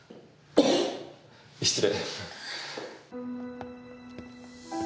失礼。